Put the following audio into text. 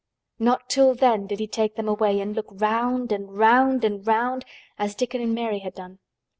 Not till then did he take them away and look round and round and round as Dickon and Mary had done.